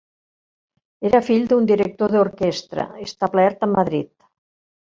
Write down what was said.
Era fill d'un director d'orquestra establert a Madrid.